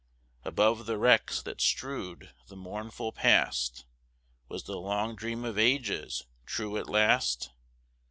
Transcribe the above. Above the wrecks that strewed the mournful past, Was the long dream of ages true at last?